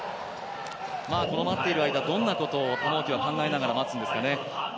この待っている間、どんなことを玉置は考えながら待つんですかね？